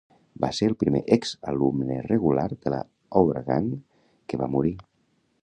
Va ser el primer exalumne regular de la "Our Gang" que va morir.